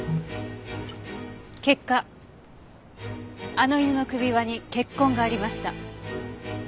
結果あの犬の首輪に血痕がありました。